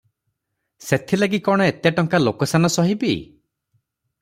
ସେଥିଲାଗି କଣ ଏତେ ଟଙ୍କା ଲୋକସାନ ସହିବି?